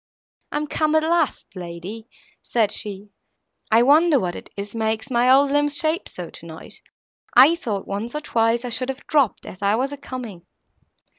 "I am come, at last, lady," said she; "I wonder what it is makes my old limbs shake so, tonight. I thought, once or twice, I should have dropped, as I was a coming."